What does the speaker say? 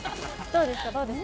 どうですか？